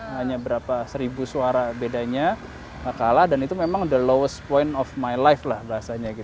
hanya berapa seribu suara bedanya kalah dan itu memang the lowest point of my life lah bahasanya